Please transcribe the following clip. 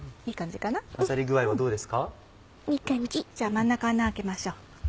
じゃあ真ん中穴開けましょう。